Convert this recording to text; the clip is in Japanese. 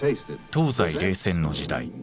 東西冷戦の時代